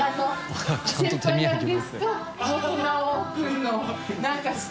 あっちゃんと手土産持って。